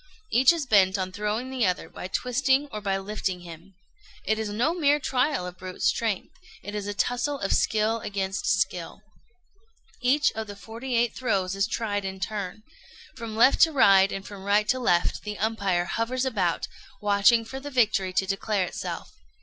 Each is bent on throwing the other by twisting or by lifting him. It is no mere trial of brute strength; it is a tussle of skill against skill. Each of the forty eight throws is tried in turn. From left to right, and from right to left, the umpire hovers about, watching for the victory to declare itself.